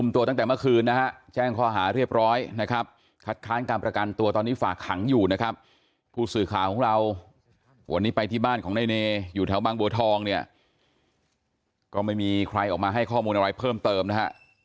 แถวบางบัวทองเนี่ยก็ไม่มีใครออกมาให้ข้อมูลอะไรเพิ่มเติมนะฮะ